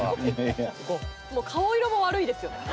もう顔色も悪いですよ